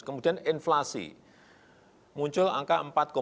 kemudian inflasi muncul angka empat tujuh